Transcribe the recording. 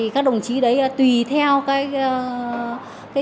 các đồng chí đấy tùy theo chuẩn của các đồng chí